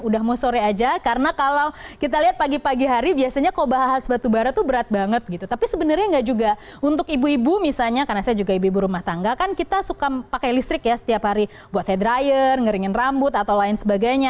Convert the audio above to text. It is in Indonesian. di rumah tangga kan kita suka pakai listrik ya setiap hari buat hair dryer ngeringin rambut atau lain sebagainya